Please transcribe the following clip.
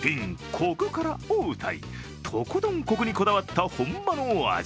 コクからをうたい、とことんコクにこだわった本場の味。